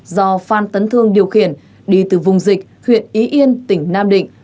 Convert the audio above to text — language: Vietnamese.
do phan tấn thương điều khiển đi từ vùng dịch huyện ý yên tỉnh nam định